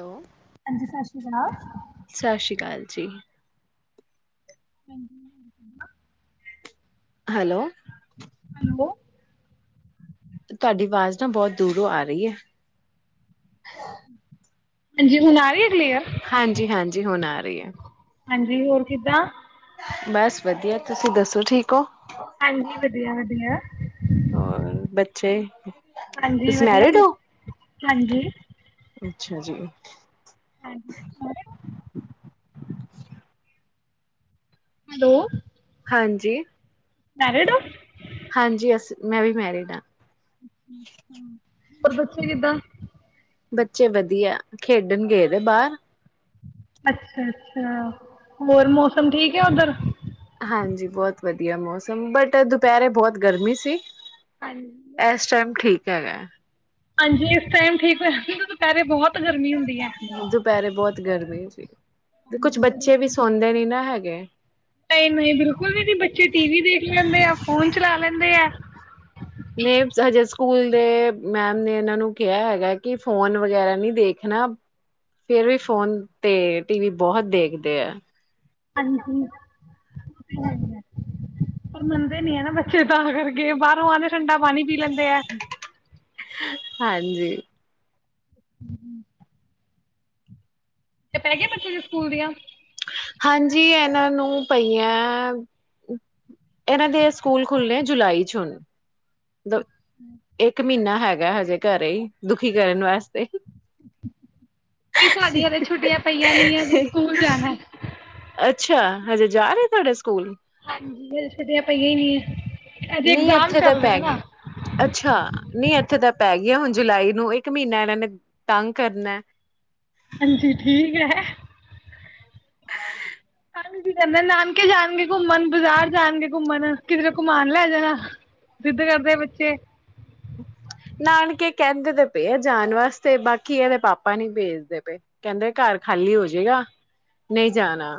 Hello ਹਾਂਜੀ ਸਤਿ ਸ਼੍ਰੀ ਜਨਾਬ ਸਤਿ ਸ਼੍ਰੀ ਅਕਾਲ ਜੀ। ਹਾਂਜੀ ਹੈਲੋ ਲੋ ਤੁਹਾਡੀ ਆਵਾਜ਼ ਨਾ ਬਹੁਤ ਦੂਰੋਂ ਆ ਰਹੀ ਹੈ ਹਾਂਜੀ ਹੁਣ ਆ ਰਹੀ ਐ ਹਾਂਜੀ ਹਾਂਜੀ ਹੂਣ ਹੀ ਹੈ ਹਾਂਜੀ ਹੋਰ ਕਿੱਦਾਂ ਬਸ ਵਧੀਆ ਤੁਸੀਂ ਦੱਸੋ ਠੀਕ ਹੋ ਹਾਂਜੀ ਵਧੀਆ ਵਧੀਆ ਹੋਰ ਬੱਚੇ, ਹਾਂਜੀ ਤੁਸੀ ਵਧੀਆ ਮੈਰਿਡ ਤੁ ਹੋ? ਹਾਂਜੀ ਅੱਛਾ ਜੀ। [inaudible] ਹਾਂਜੀ ਹੋਗੀ। ਹੈਲੋ। ਹਾਂਜੀ ਮੈਰਿਡ ਉ? ਹਾਂਜੀ ਅਸੀਂ ਮੈਂ ਵੀ ਮੈਰਿਡ ਹਾਂ। ਹੂੰ ਹੋਰ ਬੱਚੇ ਕਿਦਾਂ? ਬੱਚੇ ਵਧੀਆ ਖੇਡਣ ਗਏ ਦੇ ਬਾਹਰ ਅੱਛਾ ਅੱਛਾ ਹੋਰ ਮੌਸਮ ਠੀਕ ਐ ਉੱਧਰ ਹਾਂਜੀ ਬਹੁਤ ਵਧੀਆ ਮੌਸਮ ਬਟ ਦੁਪਹਿਰੇ ਬਹੁਤ ਗਰਮੀ ਸੀ। ਹਾਂਜੀ ਐਸ ਟਾਈਮ ਠੀਕ ਹੈਗਾ। ਹਾਂਜੀ ਇਸ ਟਾਈਮ ਠੀਕ ਹੋਇਆ ਨਹੀਂ ਤਾ ਦੁਪਹਿਰੇ ਬਹੁਤ ਗਰਮੀ ਹੁੰਦੀ ਹੈ ਦੁਪਹਿਰੇ ਬਹੁਤ ਗਰਮੀ ਜੀ ਕੁਛ ਬੱਚੇ ਵੀ ਸੌਦੇ ਨੀ ਨਾ ਹੈਗੇ। ਓਕੇ ਨਹੀਂ ਨਹੀਂ ਬਿਲਕੁਲ ਵੀ ਨੀ, ਬੱਚੇ ਟੀ ਵੀ ਦੇਖ ਲੈਂਦੇ ਆ ਫੋਨ ਚਲਾ ਲੈਂਦੇ ਆ ਨੇਮਸ ਹਜੇ ਸ ਸਕੂਲ ਦੇ ਮੈਮ ਨੇ ਇਹਨਾਂ ਨੂੰ ਕਿਹਾ ਹੈਗਾ ਕਿ ਫੋਨ ਵਗੈਰਾ ਨਹੀਂ ਦੇਖਣਾ ਫੇਰ ਵੀ ਫੋਨ ਤੇ ਟੀ ਵੀ ਬਹੁਤ ਦੇਖਦੇ ਐ। ਹਾਂਜੀ ਉਹ ਤੇ ਹੈਗਾ। ਪਰ ਮੰਨਦੇ ਨੀ ਹੈ ਨਾ ਬੱਚੇ ਤਾਂ ਅਗਰ ਗੇਮ ਬਾਹਰੋਂ ਆਦੇ ਠੰਡਾ ਪਾਣੀ ਪੀ ਲੈਂਦੇ ਆ। ਹਾਂਜੀ। ਹੂੰ ਤੇ ਪੈ ਗੇ ਬੱਚੇ ਦੇ ਸਕੂਲ ਦੀਆਂ ਹਾਂਜੀ ਇਹਨਾਂ ਨੂੰ ਪਈਆਂ, ਇਹਨਾਂ ਦੇ ਸਕੂਲ ਖੁੱਲਣੇ ਜੁਲਾਈ ਚ ਹੁਣ ਦੋ, ਇੱਕ ਮਹੀਨਾ ਹੈਗਾ ਹਜੇ ਘਰੇ ਹੀ ਦੁਖੀ ਕਰਨ ਵਾਸਤੇ ਕੀ ਸਾਡੀਆ ਹਜੇ ਛੁੱਟੀਆਂ ਪਈਆਂ ਨੀ ਹਜੇ ਸਕੂਲ ਜਾਣਾ ਅੱਛਾ ਹਜੇ ਜਾ ਰਹੇ ਤੁਹਾਡੇੂ ਸ ਹਾਂਜੀ ਹਜੇ ਛੁੱਟੀਆਂ ਪਈਆਂ ਨਹੀਂ ਆ। ਨਹੀਂ ਇੱਥੇ ਤਾਂ ਪੈ ਗਏ। ਅੱਛਾ ਨਹੀਂ ਏ ਉੱਥੇ ਤਾਂ ਪੈ ਗਿਆਈ ਹੁਣ ਜੁਲਾਈ ਨੂੰ ਇੱਕ ਮਹੀਨਾ ਇਹਨਾਂ ਨੇ ਤੰਗ ਕਰਨਾ ਹਾਂਜੀ ਠੀਕ ਹੈ। ਕਹਦੇ ਨਾਨਕੇ ਜਾਣਗੇ ਘੁੰਮਣ ਬਾਜ਼ਾਰ ਜਾਣਗੇ ਘੁੰਮਣ ਕਿਧਰੇ ਘੁਮਣ ਲੈ ਜਾਣਾ ਜਿੱਦ ਕਰਦੇ ਬੱਚੇ ਨਾਨਕੇ ਕਹਿੰਦੇ ਤੇ ਪਏ ਆ ਜਾਣ ਵਾਸਤੇ ਬਾਕੀ ਇਹਦੇ ਪਾਪਾ ਨਹੀ ਭੇਜਦੇ ਪਏ ਕਹਿੰਦੇ ਘਰ ਖਾਲੀ ਹੋਜੇਗਾ ਨਹੀਂ ਜਾਣਾ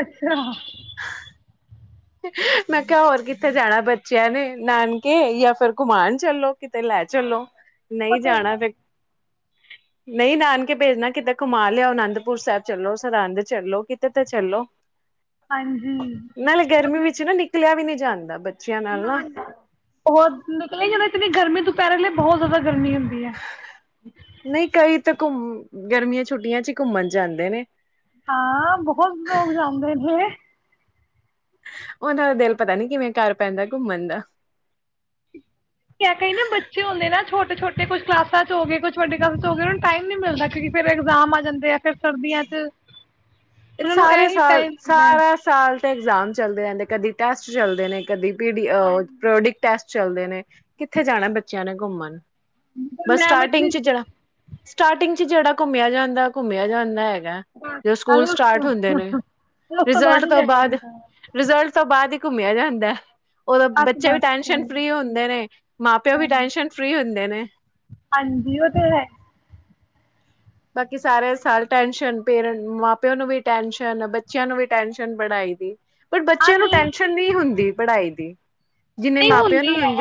ਅੱਛਾ ਮੈਂ ਕਿਹਾ ਹੋਰ ਕਿੱਥੇ ਜਾਣਾ ਬੱਚ ਬੱਚਿਆਂ ਨੇ ਨਾਨਕੇ ਜਾਂ ਫਿਰ ਘੁਮਾਣ ਚੱਲੋ ਕਿਤੇ ਲੈ ਹਾਂ ਚੱਲੋ ਉਹ ਨਹੀਂ ਤੇ ਹੈ ਜਾਣਾ ਫਿਰ ਨਹੀਂ ਨਾਨਕੇ ਭੇਜਣਾ ਕਿਤੇ ਘੁਮਾ ਲਿਆ ਅਨੰਦਪੁਰ ਸਾਹਿਬ ਚੱਲੋ ਸਰਹੰਦ ਚੱਲੋ ਕਿਤੇ ਤਾਂ ਚੱਲੋ ਹਾਂਜੀ ਨਾਲੇ ਗਰਮੀ ਵਿੱਚ ਨਾ ਨਿਕਲਿਆ ਵੀ ਨੀ ਜਾਂਦਾ ਬੱਚ ਉਹ ਨਿਕਲੀ ਜਦੋਂ ਇਤਨੀ ਗਰਮੀ ਤੁ ਪੈਰਾ ਲੇ ਬਹੁਤ ਜ਼ਿਆਦਾ ਗਰਮੀ ਹੁੰਦੀ ਹੈ ਤੇ ਘੁਮ ਗਰਮੀਆਂ ਚ ਛੁੱਟੀਆਂ ਹੀ ਘੁੰਮਣ ਜਾਂਦੇ ਨੇ ਹਾਂ ਬਹੁਤ ਲੋਕ ਜਾਂਦੇ ਨੇ ਉਹਨਾਂ ਦਾ ਦਿਲ ਪਤਾ ਨੀ ਕਿਵੇਂ ਕਰ ਪੈਂਦਾ ਘੁੰਮਣ ਦਾ ਕਿਆ ਕਹਿਿੰ ਨਾ ਬੱਚੇ ਹੁੰਦੇ ਨਾ ਛੋਟੇ ਛੋਟੇ ਕੁਛ ਕਲਾਸਾਂ ਚ ਹੋ ਗਏ ਕੁਛ ਵੱਡੇ ਕਲਾਸ ਚ ਹੋ ਗਏ ਉਹਨਾਂ ਨੂੰ ਟਾਈਮ ਨਹੀਂ ਮਿਲਦਾ ਕਿਉਂਕਿ ਫੇਰ ਇਗਜ਼ਾਮ ਆ ਜਾਂਦੇ ਆ। ਫਿਰ ਸਰਦੀਆਂ ਚ ਇਹ ਉਹਨਾਂ ਨੂੰ ਸਾਰੇ ਇਹੀ ਸਾਲ ਟਾਈਮ ਹੁੰਦਾ ਹੈ। ਸਾਰਾ ਸਾਲ ਇਗਜ਼ਾਮ ਚੱਲਦੇ ਰਹਿੰਦੇ ਕਦੀ ਟੈਸਟ ਚੱਲਦੇ ਨੇ ਕਦੀ ਹਾਂਜੀ। ਪ੍ਰੋਡਿਕਟ ਟੈਸਟ ਚੱਲਦੇ ਨੇ ਕਿੱਥੇ ਜਾਣਾ ਬੱਚਿਆਂ ਨੇ ਘੁੰਮਣ ਬਸ ਮੈਮ ਸਟਾਰਟਿੰਗ ਇਤਨੀ ਚ ਜਿਹੜਾ ਸਟਾਰਟਿੰਗ ਚ ਜਿਹੜਾ ਘੁੰਮਿਆ ਜਾਂਦਾ ਘੁੰਮਿਆ ਜਾਂਦਾ ਹੈਗਾ ਜਦੋਂ ਸਕੂਲ ਸਟਾਰਟ ਹੁੰਦੇ ਨੇ ਉਸ ਰਿਜ਼ਲਟ ਹੀ ਤੋਂ ਜਾਇਆ ਬਾਅਦ ਜਾਂਦਾ ਹੈ। ਰਿਜ਼ਲਟ ਉਸ ਤੋਂ ਬਾਅਦ ਹੀ ਘੁੰਮਿਆ ਜਾਂਦਾ ਹੈ ਉਦੋਂ ਬਸ ਬੱਚੇ ਵੀ ਬਸ ਟੈਨਸ਼ਨ ਫਰੀ ਹੁੰਦੇ ਨੇ ਮਾਂ ਪਿਓ ਵੀ ਹਾਂਜੀ ਟੈਸ਼ਨ ਫ੍ਰਰੀ ਹੁੰਦੇ ਨੇ ਹਾਂਜੀ ਉਹ ਤੇ ਹੈ ਬਾਕੀ ਸਾਰੇ ਸਾਲ ਟੈਸ਼ਨ ਪੇਰ ਮਾਂ ਪਿਓ ਨੂੰ ਵੀ ਟੈਸ਼ਨ ਬੱਚਿਆਂ ਨੂੰ ਵੀ ਟੈਸ਼ਨ ਪੜ੍ਹਾਈ ਦੀ ਪਰ ਹਾਂ ਬੱਚਿਆਂ ਨੂੰ ਨਹੀਂ ਟੈਸ਼ਨ ਨਹੀਂ ਹੁੰਦੀ ਪੜ੍ਹਾਈ ਦੀ ਜਿੰਨੇ ਨਹੀਂ ਮਾਪਿਆਂ ਨੂੰ ਹੁੰਦੀ ਹੈ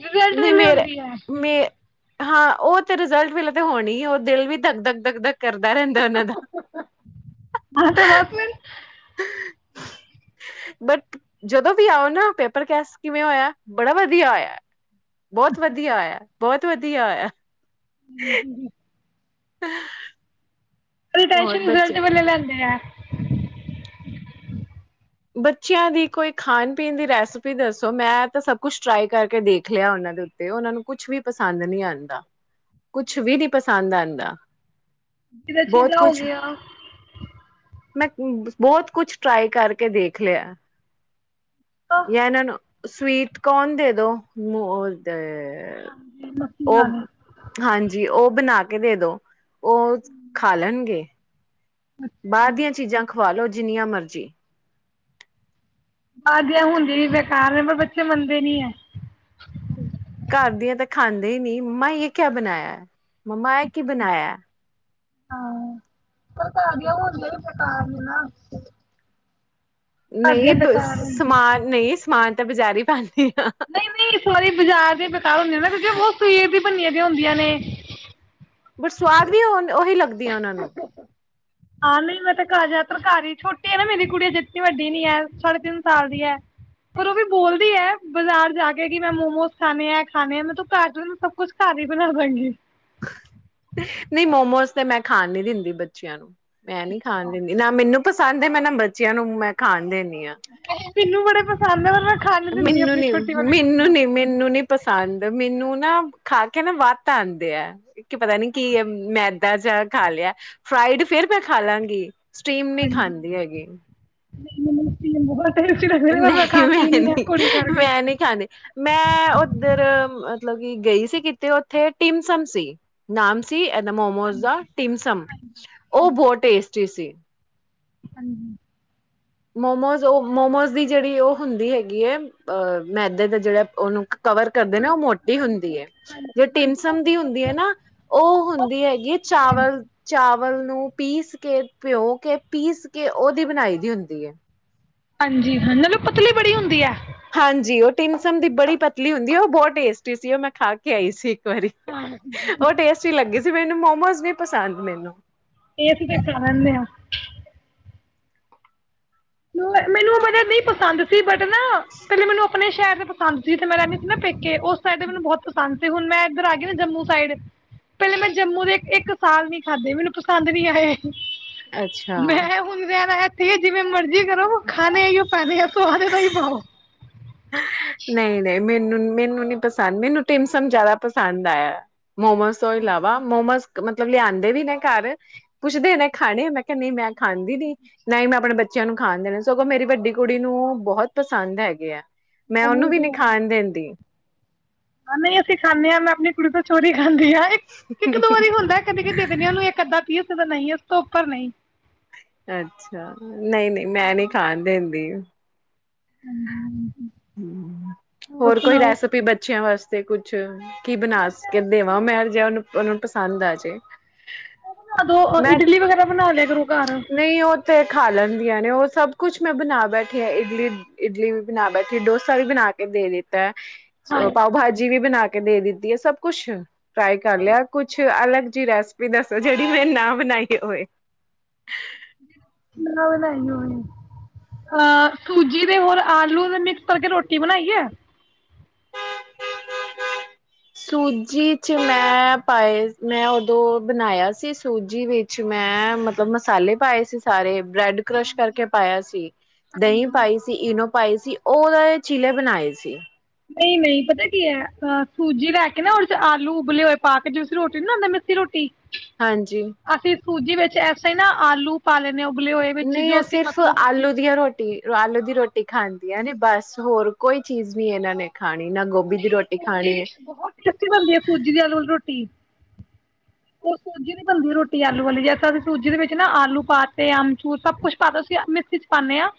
ਰਿਜ਼ਲਟ ਨਹੀਂ ਵੇਲੇ ਮੇਰੇ ਹੁਂਦੀ ਹੈ ਮੇ ਹਾਂ ਉਹ ਤੇ ਰਿਜਲਟ ਵੇਲੇ ਤਾਂ ਹੋਣੀ ਉਹ ਦਿਲ ਵੀ ਦ ਦਕ ਦਕਦ ਕਰਦਾ ਰਹਿੰਦਾ ਉਹਨਾਂ ਦਾ ਹਾਂ ਤੇ ਬਸ ਫਿਰ ਬਟ ਜਦੋਂ ਵੀ ਆਓ ਨਾ ਪੇਪਰ ਕੈਸ ਕਿਵੇਂ ਹੋਇਆ ਬੜਾ ਵਧੀਆ ਹੋਇਆ ਬਹੁਤ ਵਧੀਆ ਆਇਆ ਬਹੁਤ ਵਧੀਆ ਹਮ ਹੋਰ ਟੈਸ਼ਨ ਬੱਚੇ ਰਿਜ਼ਲਟ ਵੇਲੇ ਲਿਆਂਦੇ ਆ [unintelligible] ਬੱਚਿਆਂ ਦੀ ਕੋਈ ਖਾਣ ਪੀਣ ਦੀ ਰੈਸਪੀ ਦੱਸੋ ਮੈਂ ਤਾਂ ਸਭ ਕੁਛ ਟਰਾਈ ਕਰਕੇ ਦੇਖ ਲਿਆ ਉਹਨਾਂ ਦੇ ਉੱਤੇ ਉਹਨਾਂ ਨੂੰ ਕੁਛ ਵੀ ਪਸੰਦ ਨਹੀਂ ਆਉਂਦਾ ਕੁਛ ਵੀ ਨੀ ਪਸੰਦ ਆਉਂਦਾ ਜਿਦਾ ਬਹੁਤ ਚੀਲਾ ਹੋ ਕੁਛ ਗਿਆ ਮੈਂ ਬਹੁਤ ਕੁਛ ਟਰਾਈ ਕਰਕੇ ਕੇ ਦੇਖ ਲਿਆ ਹਾਂਜੀ ਯਨਾਂ ਨੂੰ ਸਵੀਟ ਕੋਨ ਦੇ ਦੋ ਤੇ ਮੱਕੀ ਉਹ ਵਾਲੇ ਹਾਂਜੀ ਉਹ ਬਣਾ ਦੇ ਦੋ ਉਹ ਖਾ ਲੈਣਗੇ ਬਾਹਰ ਦੀਆਂ ਚੀਜ਼ਾਂ ਖਵਾ ਲੋ ਜਿੰਨੀਆਂ ਮਰਜ਼ੀ ਬਾ ਜ ਹੁਣਦੀ ਵੀ ਬੇਕਾਰ ਨੇ ਪਰ ਬੱਚੇ ਮੰਨਦੇ ਨੀ ਹੈ ਘਰ ਦੀਆਂ ਤਾਂ ਖਾਂਦੇ ਹੀ ਨਹੀਂੀ ਮੰਮਾ ਇਹ ਕਿਆ ਬਣਾਇਆ ਮੰਮਾ ਇਹ ਕੀ ਬਣਾਇਆ ਹਾਂ ਫਕਾ ਗਿਆ ਹੁਣ ਗਿਆ ਵੀ ਫਕਾ ਨਾ [unintelligible] ਘਰਦੀਆਂ ਨਹੀਂ ਬ ਬੇਕਾਰ ਹੁੰਦੀਆਂ ਸਮਾਨ ਨਹੀਂ ਸਮਾਨ ਤਾਂ ਬਜਾਰੀ ਪਾਉਦੀ ਨਹੀਂ ਨਹੀਂ ਇਸ ਵਾਰੀ ਬਾਜ਼ਾਰ ਦੇ ਬੇਕਾਰ ਹੁੰਦੇ ਨਾ ਕਿਉਂਕਿ ਸਈ ਦੀ ਬੰਨੀਆਂ ਵੀ ਹੁੰਦੀਆਂ ਨੇ ਬਟ ਸਵਾਦ ਵੀ ਉਹੀ ਲੱਗਦੀ ਆ ਉਹਨਾਂ ਨੂੰ ਆਾਂ ਨਹੀਂ ਮੈਂ ਤੇ ਘਰ ਜ਼ਿਆਦਾਤਰ ਘਰ ਹੀ ਛੋਟੀ ਹੈ ਨਾ ਮੇਰੀ ਕੁੜੀ ਅਜ ਜਤਨੀ ਵੱਡੀ ਨੀ ਹੈ ਸਾਢੇ ਤਿੰਨ ਸਾਲ ਦੀ ਹੈ ਪਰ ਉਹ ਵੀ ਬੋਲਦੀ ਹੈ ਬਾਜ਼ਾਰ ਜਾ ਕੇ ਕਿ ਮੈਂ ਮੋਮੋਸ ਖਾਣੇ ਆ ਖਾਣੇ ਆ ਮੈਂ ਤੂੰ ਘਰ ਸਭ ਕੁਛ ਘਰ ਹੀ ਬਣਾ ਦਵਾਂਗੀ ਨਹੀਂ ਮੋਮੋਸ ਤੇ ਮੈਂ ਖਾਣ ਨੀ ਦਿੰਦੀ ਬੱਚਿਆਂ ਨੂੰ ਮੈਂ ਨੀ ਖਾਣ ਅੱਛਾ। ਦਿੰਦੀ ਨਾ ਮੈਨੂੰ ਪਸੰਦ ਹੈ ਮੈਂ ਨਾ ਬੱਚਿਆਂ ਨੂੰ ਮੈਂ ਖਾਣ ਦੇ ਮੈਨੂੰ ਬੜੇ ਸਾਮਮੇ ਵੱਲ ਮੈਨੂੰ ਨੀ ਮੈਨੂੰ ਨੀ ਮੈਨੂੰ ਨੀ ਪਸੰਦ [unintelligible] ਮੈਨੂੰ ਨਾ ਖਾ ਕੇ ਨਾ ਵੱਧ ਆਉਂਦੇ ਆ ਕੀ ਪਤਾ ਨੀ ਅੱਛਾ ਕਿ ਮੈ ਘਰ ਜਾ ਖਾ ਲਿਆ ਫਰਾਈਡ ਫੇਿਰ ਮੈਂ ਖਾ ਲਾਂਗੀ ਸਟੀਮ ਨਹੀਂ ਖਾਂਦੀ ਹੈਗੀ ਮੁ ਨ ਬ [inaudible] ਨਹੀਂ ਮੈਂ ਨਹੀਂ ਕਰਕੇ। ਮੈਂ ਨਹੀਂ ਖਾਂਦੀ ਮੈਂ ਉੱਧਰ ਮਤਲਬ ਕਿ ਗਈ ਸੀ ਕਿਤੇ ਉੱਥੇ ਟਿਮਸਮ ਸੀ ਨਾਮ ਸੀ ਮੋਮੋਸ ਹਾਂਜੀ, ਦਾ ਹਾਂਜੀ, ਟਿਮਸਮ ਹਾਂਜੀ, ਉਹ ਬਹੁਤ ਟੇਸਟ ਟੀਸੀ [unintelligible] ਮੋਮੋਜ਼ ਉਹ ਮੋਮੋਜ਼ ਦੀ ਜਿਹੜੀ ਉਹ ਹੁੰਦੀ ਹੈਗੀ ਹੈ ਅ ਮੈਦੇ ਦਾ ਜਿਹੜਾ ਉਹਨੂੰ ਕਵਰ ਕਰਦੇ ਨੇ ਉਹ ਹਾਂਜੀ, ਮੋਟੀ ਹੁੰਦੀ ਹੈ ਹਾਂਜੀ, ਜੋ ਹਾਂਜੀ ਉਹ ਟਿਮਸਮ ਦੀ ਬਹੁਤ ਹੁੰਦੀ ਹੈ ਨਾ ਉਹ ਬਹੁਤ ਹੁੰਦੀ ਪਤਲੀ ਹੈਗੀ ਹੈ ਹੁੰਦੀ ਚਾਵਲ ਚਾਵ ਚਾਵਲ ਨੂੰ ਪੀਸ ਕੇ ਪਿਓ ਕੇ ਪੀਸ ਕੇ ਉਹਦੀ ਬਣਾਈ ਦੀ ਹੁੰਦੀ ਦੀ ਹੈ ਹਾਂਜੀ ਹ ਮਤਲਬ ਪਤਲੀ ਬੜੀ ਹੁੰਦੀ ਹੈ ਹਾਂਜੀ ਉਹ ਟਿਮਸਮ ਦੀ ਬੜੀ ਪਤਲੀ ਹੁੰਦੀ ਉਹ ਬਹੁਤ ਟੇਸਟੀ ਸੀ ਉਹ ਮੈਂ ਖਾ ਕੇ ਆਈ ਸੀ ਵਾਰੀ ਟੇਸਟ ਉਹ ਟੇਸਟ ਹੀ ਲੱਗੇ ਮੈਨੂੰ ਮੋਮੋਸ ਨੀ ਪਸੰਦ ਮੈਨੂੰ ਇਹ ਅਸੀਂ ਫਾਹਾ ਲਿਆ ਮੈਨੂੰ ਮਲ ਨਹੀਂ ਪਸੰਦ ਸੀ ਬ ਨਾ ਪਹਿਲੇ ਮੈਨੂੰ ਆਪਣੇ ਸ਼ਹਿਰ ਪਸੰਦ ਸੀ ਤੇ ਮੈਂ ਰਹਿੰਦੀ ਸੀ ਨਾ ਪੇਕੇ ਉਸ ਸਾਈਡ ਦੇ ਮੈਨੂੰ ਬਹੁਤ ਪਸੰਦ ਸੀ ਹੁਣ ਮੈਂ ਇੱਧਰ ਆ ਗ ਨਾ ਜੰਮੂ ਸਾਈਡ ਪਹਿਲੇ ਮੈਂ ਜੰਮੂ ਦੇ ਇੱਕ ਸਾਲ ਨੀ ਖਾਧੇ ਮੈਨੂੰ ਪਸੰਦ ਨੀ ਆਏ ਅੱਛਾ ਮੈਂ ਹੁਣਦਿਆਂ ਠੀਕ ਜਿਵੇਂ ਮਰਜੀ ਕਰੋ ਖਾਣੇ ਹੈ ਉਹ ਪਾਨੇ ੳ [unintelligible] ਨਹੀਂ ਨਹੀਂ ਮੈਨੂੰ ਮੈਨੂੰ ਨੀ ਪਸੰਦ ਮੈਨੂੰ ਟਿਮਸਮ ਜ਼ਿਆਦਾ ਪਸੰਦ ਆਇਆ ਮੋਮੋਸ ਸੋਇ ਲਾਵਾ ਮੋਮੋਜ਼ ਮਤਲਬ ਲਿਆਂਂਦੇ ਵੀ ਨੇ ਘਰ ਪੁੱਛਦੇ ਨੇ ਖਾਣੇ ਮੈਂ ਕਿਹਾ ਨਹੀਂ ਮੈਂ ਖਾਂਦੀ ਨੀ ਨਾ ਹੀ ਮੈਂ ਆਪਣੇ ਬੱਚਿਆਂ ਨੂੰ ਖਾਂਦੇ ਨੇ ਸਗੋਂ ਮੇਰੀ ਵੱਡੀ ਕੁੜੀ ਨੂੰ ਬਹੁਤ ਪਸੰਦ ਹੈਗੇ ਆ ਮੈਂ ਉਹਨੂੰ ਵੀ ਨੀ ਖਾਣ ਦਿੰਦੀ ਹਾਂ ਨਹੀਂ ਅਸੀਂ ਖਾਂਦੇ ਹਾਂ ਮੈਂ ਆਪਣੀ ਕੁੜੀ ਤੋਂ ਚੋਰੀ ਖਾਂਦੀ ਆ ਇੱਕ ਇੱਕ ਦੋ ਵਾਰੀ ਹੁੰਦਾ ਕਦੇ ਕ ਦੇ ਦਿੰਦੇ ਹ ਉਹਨੂੰ ਇੱਕ ਅੱਧਾ ਪੀ ਤਾਂ ਨਹੀਂ ਇਸ ਤੋਂ ਉੱਪਰ ਨਹੀਂ ਅੱਛਾ ਨਹੀਂ ਨਹੀਂ ਮੈਂ ਨਹੀਂ ਖਾਣ ਦਿੰਦੀ ਹੁਂ ਹੋਰ ਕੋਈ ਰੈਸਪੀ ਬੱਚਿਆਂ ਵਾਸਤੇ ਤੇ ਕੁਛ ਕੀ ਬਣਾਸ ਕੇ ਦੇਵਾਂ ਮੈ ਜੋ ਉਹਨੂੰ ਉਹਨਾਂ ਨੂੰ ਪਸੰਦ ਆ ਜੇ। ਉਹ ਬਣਾ ਦੋ, ਮੈਂ ਇਡਲੀ ਵਗੈਰਾ ਬਣਾ ਲਿਆ ਕਰੋ ਘਰ ਆਂ ਨੇ ਉਹ ਸਭ ਕੁਛ ਮੈਂ ਬਣਾ ਬੈਠੀ ਆ ਇਡਲੀ ਇਡਲੀ ਵੀ ਬਣਾ ਬੈਠੀ, ਡੋਸਾ ਵੀ ਬਣਾ ਕੇ ਦੇ ਦਿੱਤਾ ਹੈ। ਪਾਓ ਹਾਂਜੀ ਭਾਜੀ ਵੀ ਬਣਾ ਕੇ ਬਣਾ ਕੇ ਦੇ ਦਿੱਤੀ ਹੈ, ਸਭ ਕੁੱਛ ਫਰਾਈ ਕਰ ਲਿਆ, ਕੁਛ ਅਲੱਗ ਰੈਸਿਪੀ ਦੱਸੋ ਜਿਹੜੀ ਮੈਂ ਨਾ ਬਣਾਈ ਹੋਵੇ। ਨੋ ਲਾਈ ਹੋਵੇ ਆਹ ਸੂਜੀ ਦੇ ਹੋਰ ਆਲੂ ਤੇ ਮਿਕਸ ਕਰਕੇ ਰੋਟੀ ਬਣਾਈ ਹੈ। ਸੂਜੀ ਚ ਮੈਂ ਪਾਏ ਮੈਂ ਉਦੋਂ ਬਣਾਇਆ ਸੀ, ਸੂਜੀ ਵਿੱਚ ਮੈਂ ਮਤਲਬ ਮਸਾਲੇ ਪਾਏ ਸੀ ਸਾਰੇ। ਬ੍ਰੈਡ ਕਰਸ਼ ਕਰਕੇ ਪਾਇਆ ਸੀ, ਦਹੀਂ ਪਾਈ ਸੀ ਇਨੋ ਪਏ ਸੀ, ਉਹ ਉਹਦਾ ਚੀਲੇ ਬਣਾਏ ਸੀ। ਨਹੀਂ ਨਹੀਂ ਪਤਾ ਕੀ ਹੈ, ਅ ਸੂਜੀ ਲੈ ਕੇ ਨਾ ਆਲੂ ਉਬਲੇ ਹੋਏ ਪਾ ਕੇ ਜੋ ਰੋਟੀ ਨੀ ਬਣਾਉਦੇ ਮਿੱਸੀ ਰੋਟੀ ਹਾਂਜੀ। ਅਸੀਂ ਸੂਜੀ ਵਿੱਚ ਐਸੇ ਹੀ ਨਾ ਆਲੂ ਪਾ ਹਾਂ ਉਬਲੇ ਹੋਏ ਵਿੱਚ ਨਹੀਂ ਆ ਜੋ ਅਸੀਂ ਸਿਰਫ ਮਤਲਬ ਆਲੂ ਦੀਆਂ ਰੋਟੀਆਂ ਆਲੂ ਦੀ ਰੋਟੀ ਖਾਂਦੀ ਹੈ, ਬਸ ਹੋਰ ਕੋਈ ਚੀਜ਼ ਵੀ ਇਹਨਾਂ ਨੇ ਖਾਣੀ ਨਾ ਗੋਭੀ ਦੀ ਨਹੀਂ ਰੋਟੀ ਉਹ ਵੀ ਖਾਣੀ ਹੈ ਬਹੁਤ ਟੇਸਟੀ ਬਣਦੀ ਹੈ, ਸੂਜੀ ਤੇ ਆਲੂ ਦੀ ਰੋਟੀ ਟੀ ਉਹ ਸੂਜੀ ਨੀ ਬਣਦੀ ਰੋਟੀ ਆਲੂ ਵਾਲੀ ਜਦ ਤਕ ਅਸੀ ਸੂਜੀ ਦੇ ਵਿੱਚ ਨਾ ਆਲੂ ਪਾਤੇ, ਅਮਚੂਰ ਸਭ ਕੁਛ ਪਾਤਾ ਅਸੀਂ ਮਿੱਸੀ ਚ ਪਾਉਂਦੇ ਹਾਂ।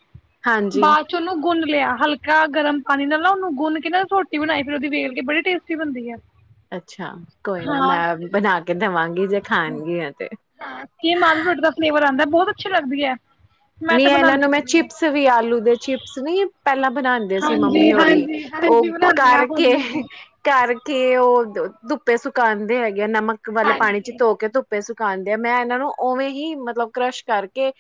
ਹਾਂਜੀ ਬਾਅਦ ਚੋਂ ਨਾ ਗੁਨ- ਲਿਆ ਹਲਕਾ ਗਰਮ ਪਾਣੀ ਲੈ ਲਾਉ, ਉਹਨੂੰ ਗੁਣ ਕੇ ਨਾ ਰੋਟੀ ਬਣਾਈ ਫਿਰ ਉਹਦੀ ਵੇਲ ਕੇ ਬੜੀ ਟੇਸਟੀ ਬਣਦੀ ਹੈ। ਅੱਛਾ, ਕੋਈ ਨਾ ਮੈਂ ਬਣਾ ਕੇ ਦੇਵਾਂਗੀ। ਜੇ ਖਾਣਗੀਆਂ ਤੇ ਕੀ ਮਾਲੁਮ ਰੋਟੀ ਦਾ ਫਲੇਵਰ ਸਵਾਦ ਨਾਲ, ਬਹੁਤ ਅੱਛੀ ਲੱਗਦੀ ਹੈ। ਮੈਂ ਨੀ ਤੇ ਇਹਨਾਂ ਬਣਾਉਂਦੀ ਨੂੰ ਮੈਂ ਰਹਿੰਦੀ ਹਾਂ ਚਿਪਸ ਵੀ ਆਲੂ ਦੇ ਚਿਪਸ ਨੀ ਆ। ਪਹਿਲਾਂ ਬਣਾਉਂਦੇ ਸੀ ਮੰਮੀ ਹਾਂਜੀ ਹੋਰੀ, ਹਾਂਜੀ ਹਾਂਜੀ ਉਹ ਬਣਾਉਂਦੇ ਆ ਕਰਕੇ ਹੋਲੀਆਂ ਤੇ ਕਰਕੇ ਉਹ ਧੁੱਪੇ ਸੁਕਾਉਂਦੇ ਹੈਗੇ। ਨਮਕ ਵਾਲੇ ਪਾਣੀ ਚ ਹਾਂਜੀ ਧੋ ਕੇ ਧੁੱਪ ਧੁੱਪੇ ਸੁਕਾਣਦੇ ਆ, ਮੈਂ ਇਹਨਾਂ ਨੂੰ ਉਵੇਂ ਹੀ ਮਤਲਬ ਕਰਸ਼ ਕਰਕੇ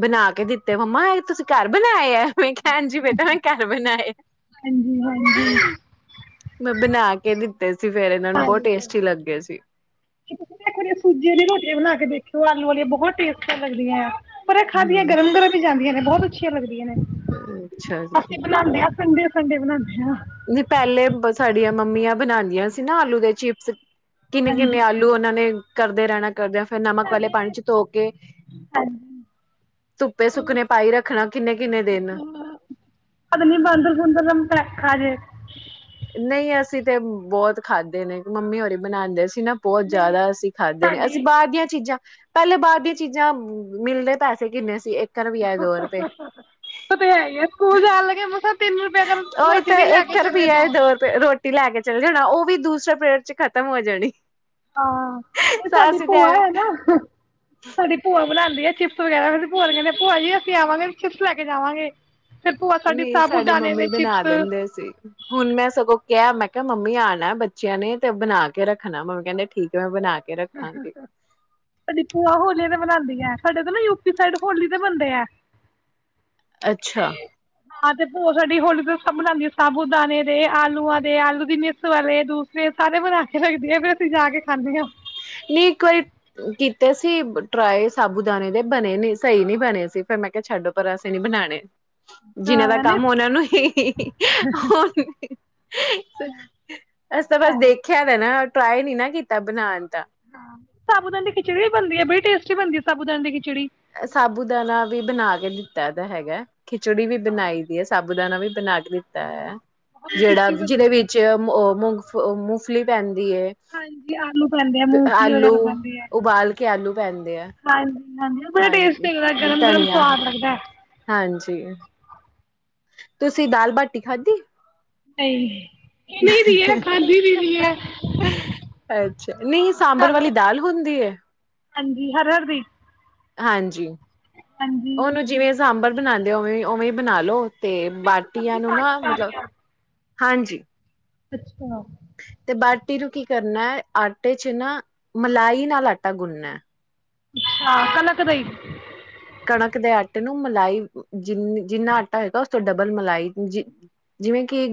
ਬਣਾ ਕੇ ਦਿੱਤੇ ਮੰਮਾ ਇਹ ਤੁਸੀਂ ਘਰ ਬਣਾਏ ਹੈ। ਮੈਂ ਕਿਹਾ, ਹਾਂਜੀ ਬੇਟਾ ਮੈਂ ਘਰ ਬਣਾਏ ਆ। ਹਾਂਜੀ ਹਾਂਜੀ ਮੈਂ ਬਣਾ ਕੇ ਦਿੱਤੇ ਸੀ। ਫੇਰ ਇਹਨਾਂ ਨੂੰ ਬਹੁਤ ਹਾਂਜੀ, ਟੇਸਟੀ ਲੱਗੇ ਸੀ ਕੀ ਤੁਸੀ ਵੀ ਇਕ ਵਾਰ ਸੂਜੀ ਆਲੀ ਰੋਟੀਆਂ ਬਣਾ ਕੇ ਦੇਖਿਓ ਆਲ ਲੂ ਵਾਲੀਆਂ ਬਹੋਤ ਟੇਸਟੀ ਲੱਗਦੀਐਂ। ਪਰ ਐ ਖਾਦੀਆਂ ਹਮ ਗਰਮ ਗਰਮ ਈ ਜਾਂਦੀਆਂ ਨੇ, ਬਹੋਤ ਅਛੇ ਲਗ ਦੀਆਂ ਨੇ ਅੱਛਾ ਅਸੀਂ ਬਣਾਂਦੇ ਆਂ ਸੰਡੇ ਸੰਡੇ ਬਣਾਂਦੇ ਆਂ। ਨੀ ਪੈਲੇ ਬ ਸਾਡੀਆਂ ਮੰਮੀਆਂ ਬਣਾਦੀਆਂ ਸੀ ਨਾ ਆਲੂ ਦੇ ਚਿਪਸ। ਕਿੰਨੇ ਹਾਂਜੀ ਕਿੰਨੇ ਆਲੂ ਔਨਾਂ ਨੇ ਕਰਦੇ ਰਹਿਣਾ। ਕਰਦਿਆਂ ਫੇਰ ਨਮਕ ਵਾਲੇ ਸਾਡੇ ਪਾਣੀ ਚ ਧੋ ਕੇ ਹਾਂਜੀ ਧੁੱਪੇ ਸੁੱਕਣੇ ਪਾਈ ਰੱਖਣਾ ਕਿੰਨੇ ਕਿੰਨੇ ਦਿਨ। ਪਤਾ ਅਰੇ। ਨਹੀਂ ਅਸੀਂ ਤੇ ਬੌਤ ਖਾਧੇ ਨੇ ਮੰਮੀ ਹੋਰੀ ਬਣਾਂਦੇ ਸੀ। ਸੀ ਨਾ ਬੌਤ ਨਹੀਂ ਜੈਦਾ ਅਸੀਂ ਖਾਦੇ ਨੇ ਸਾਡੀ ਅਸੀਂ ਬਾਰ ਦੀਆਂ ਚੀਜ਼ਾਂ ਪੈਲੇ ਬਾਰ ਦੀਆਂ ਚੀਜ਼ਾਂ ਮਿਲਦੇ ਪੈਸੇ ਕਿੰਨੇ ਸੀ। ਇੱਕ ਰੁਪਇਆ ਦੋ ਰੁਪਏ ਔ ਤੇ ਹੈ ਈ ਐ ਸਕੂਲ ਜਾਣ ਲੱਗੇ ਮਸਾ ਔਹੀ ਤੇ ਏਕ ਰੁਪਈਆ ਯਾ ਦੋ ਰੁਪਏ ਰੋਟੀ ਲੈ ਕੇ ਚਲ ਚੱਲ ਜਾਣਾ ਔ ਵੀ ਦੂਸਰੇ ਪੇਰਡ ਚ ਖ਼ਤਮ ਹੋ ਜਾਣੀ। ਹਾਂ, ਔ ਸਾਡੀ ਅਸੀਂ ਤੇ ਭੂਆ ਐਵੇਂ ਹੈ ਨਾ ਸਾਡੀ ਭੂਆ ਬਣਾਦੀ ਐ ਚਿਪਸ ਵਗੈਰਾ ਫਿਰ ਅਸੀਂ ਭੂਆਂ ਨੂ ਕੈੰਣੇ ਆ, ਭੂਆ ਜੀ ਅਸੀਂ ਆਵਾਂਗੇ ਚਿਪਸ ਲੈ ਕੇ ਜਾਵਾਂਗੇ। ਫਿਰ ਭੂਆ ਸਾਡੀ ਨਹੀਂ ਸਾਬੂ ਸਾਡੇ ਦਾਣੇ ਮੰਮੀ ਦੇ ਚਿਪਸ ਬਣਾ ਦਿੰਦੇ ਸਾਡੀ ਸੀ ਹੁਣ ਮੈਂ ਸਗੋਂ ਕਿਐ ਮੈਂ ਕਿਆ ਮੰਮੀ ਆਣੈ ਬੱਚਿਆਂ ਨੇ ਤੇ ਬਣਾ ਕੇ ਰੱਖਣਾ। ਮੰਮੀ ਕੈੰਦੇ ਠੀਕ ਹੈ ਮੈਂ ਬਣਾ ਕੇ ਰੱਖਾਂਗੀ ਸਾਡੀ ਭੂਆ ਹੋਲੇ ਤੇ ਬਨਾਂਦੀ ਸਾਡੇ ਤਾਂ ਨਾ ਯੂਪੀ ਸਾਈਡ ਹੋਲੀ ਦੇ ਬੰਣਦੇ ਐ। ਅੱਛਾ। ਹਾਂ ਤੇ ਭੂਆ ਸਾਡੀ ਹੋਲੀ ਤੇ ਸਭ ਬਣਾਦੀ ਏ ਸਾਬੂ ਦਾਣੇ ਦੇ ਆਲੂਆਂ ਦੇ ਆਲੂ ਦੀ ਮਿਸ ਵਾਲੇ ਦੂਸਰੇ ਸਾਰੇ ਬਣਾ ਕੇ ਰੱਖਦੀ ਏ ਫੇਰ ਅਸੀਂ ਜਾ ਕੇ ਖਾਂਣੇ ਆਂ। ਨ੍ਹੀਂ ਇੱਕ ਵਾਰੀ ਕੀਤੇ ਸੀ ਟਰਾਏ ਸਾਬੂ ਦਾਣੇ ਦੇ ਬਣੇ ਨੀ ਸਹੀ ਨ੍ਹੀਂ ਬਣੇ ਸੀ ਫਿਰ ਮੈਂ ਕਿਆ ਛੱਡ ਪਰਾ ਅਸੀਂ ਨੀ ਬਣਾਣੇ। ਜਿਨਾਂ ਦਾ ਹਾਂ ਨਹੀਂ ਕੰਮ ਔਨਾਂ ਨੂੰ ਹੀ ਸ ਅਸੀ ਤਾਂ ਬਸ ਹੈ ਦੇਖਿਆ ਦਾ ਨੈ। ਟਰਾਈ ਨੀ ਨਾ ਕੀਤਾ ਬਣਾਣ ਦਾ ਸਾਬੂਦਾਨੇ ਦੀ ਖਿਚੜੀ ਵੀ ਬਣਦੀ ਐ, ਬਈ ਟੇਸਟੀ ਬਣਦੀ ਐ ਸਾਬੂਦਾਨੇ ਦੀ ਖਿਚੜੀ। ਸਾਬੂ ਦਾਨਾ ਵੀ ਬਣਾ ਕੇ ਦਿੱਤਾ ਦਾ ਹੈਗੈ। ਖਿਚੜੀ ਵੀ ਹਾਂ ਬਣਾਈ ਦੀ ਐ। ਸਭ ਬੂ ਦਾਨਾ ਵੀ ਬਣਾ ਕੇ ਦਿੱਤਾ ਹੋਯਾ ਐ। ਬਹੁਤ ਜੇੜਾ ਟੇਸਟੀ ਜਿਦੇ ਬਣਦੀ ਹੈ ਵਿੱਚ ਮੂੰਗ ਫ ਮੂੰਫਲੀ ਪੈਂਦ ਦੀ ਏ ਹਾਂਜੀ ਆਲੂ ਪੈਂਦੇ ਆ ਤੇ ਮੂੰਗਫਲੀ ਆਲੂ ਵਗੈਰਾ ਪੈਂਦੀ ਹੈ ਉਬਾਲ ਕੇ ਆਲੂ ਪੈਂਦੇ ਐ। ਹਾਂਜੀ ਬੜਾ ਟੇਸਟ ਲਗਦਾ ਗਰਮ ਗਰਮ ਸਵਾਦ ਲੱਗਦਾ ਹਾਂਜੀ ਤੁਸੀਂ ਦਾਲ ਬਾਟੀ ਖਾਦੀ। ਨਹੀਂ ਨਹੀਂ ਕਿ ਦੀ ਹੈ ਖਾਂਦੀ ਦੀ ਹੈ ਅੱਛਾ ਨਹੀਂ ਸਾਂਬਰ ਹਾਨੂੰ ਵਾਲੀ ਦਾਲ ਹੁੰਦੀ ਹੈ ਹਾਂਜੀ ਹਰ ਹਰਦੀ ਹਾਂਜੀ ਉਹਨੂੰ ਜਿਵੇਂ ਸਾਂਬਰ ਬਣਾਉਂਦੇ ਉਵੇਂ ਉਵੇਂ ਬਣਾ ਲਓ। ਤੇ ਮਿਕਸ ਬਾਟੀਆਂ ਸਬਜ਼ੀ ਨੂੰ ਪਾ ਕੇ ਨਾ ਮਤਲਬ ਸਾਰੀਆਂ ਹਾਂਜੀ ਅੱਛਾ ਤੇ ਬਾਟੀ ਨੂੰ ਕੀ ਕਰਨਾ ਹੈ ਆਟੇ ' ਚ ਨਾ ਮਲਾਈ ਨਾਲ ਆਟਾ ਗੁੰਨਨਾ ਹੈ। ਅੱਛਾ ਕਨਕ ਦਾਈ ਕਣਕ ਦੇ ਆਟੇ ਨੂੰ ਮਲਾਈ ਜਿੰ ਜਿੰਨਾ ਆਟਾ ਹੈਏਗਾ ਉਸ ਤੋਂ ਡਬਲ ਮਲਾਈ ਜਿਵੇਂ ਕਿ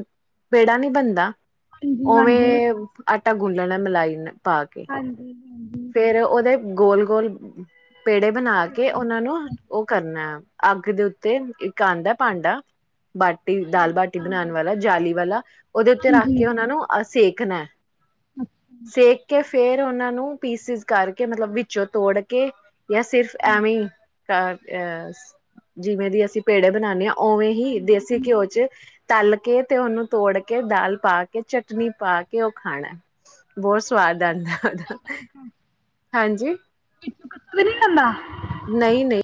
ਪੇੜਾ ਨੀ ਬਣਦਾ। ਹਾਂਜੀ ਹਾਂਜੀ ਉਵੇਂ ਅ ਗੁਨ ਲੈਣਾ ਮਿਲਾਈ ਨੇ ਪਾ ਕੇ ਹਾਂਜੀ ਹਾਂਜੀ ਫੇਰ ਉਹਦੇ ਗੋਲ ਗੋਲ ਪੇੜੇ ਬਣਾ ਕੇ ਹਾਂਜੀ ਉਹਨਾਂ ਨੂੰ ਕਰਨਾ ਅੱਗ ਦੇ ਉੱਤੇ ਇੱਕ ਆਉਂਦਾ ਭਾਂਡਾ ਬਾਟੀ ਦਾਲ ਬਾਟੀ ਬਣਾਉਣ ਹਾਂਜੀ ਵਾਲਾ ਜਾਲੀ ਵਾਲਾ ਉਹਦੇ ਉੱਤੇ ਰੱਖ ਹਾਂਜੀ ਕੇ ਉਹਨਾ ਨੂੰਹ ਸੇਕ ਖਣਾ ਵਿੱਚੋਂ ਸੇਕ ਕੇ ਫੇਰ ਉਹਨਾਂ ਨੂੰ ਪੀਸਿਸ ਕਰਕੇ ਮਤਲਬ ਵਿੱਚੋਂ ਤੋੜ ਕੇ ਜਾਂ ਸਿਰਫ ਐਵੇਂ ਘ ਅਹ ਜਿਵੇਂ ਦੀ ਅਸੀਂ ਪੇੜੇ ਬਣਾਉਦੇ ਹਾਂ ਉਵੇਂ ਹੀ ਦੇਸੀ ਘਿਓ ਚ ਤਲ ਕੇ ਤੇ ਉਹਨੂੰ ਤੋੜ ਕੇ ਦਾਲ ਪਾ ਕੇ ਚਟਨੀ ਪਾ ਕੇ ਉਹ ਖਾਣਾ ਬਹੁਤ ਸਵਾਦ ਆਉਂਦਾ ਉਹਦਾ ਹਾਂਜੀ ਕੁੱਛ ਵੀ ਨੀ ਹੁੰਦਾ ਨਹੀਂ ਨਹੀਂ